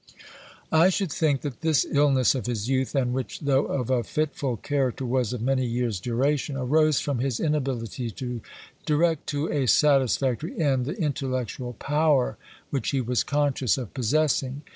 I should think that this illness of his youth, and which, though of a fitful character, was of many years' duration, arose from his inability to direct to a satisfactory end the intellectual power which he was conscious of possessing.